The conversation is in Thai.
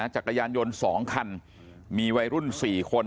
จักรยานยนต์๒คันมีวัยรุ่น๔คน